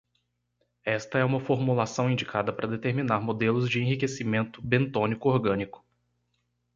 Esta é uma formulação indicada para determinar modelos de enriquecimento bentônico orgânico.